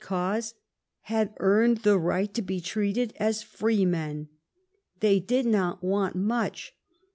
145 cause, had earned the right to be treated as free men. They did not want much.